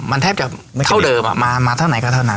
ถึงแทบแถวเดิมมาเท่าไหนก็เท่านั้น